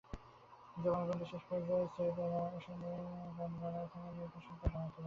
জবানবন্দির শেষ পর্যায়ে সৈয়দ এমরান আসামির কাঠগড়ায় থাকা মীর কাসেমকে শনাক্ত করেন।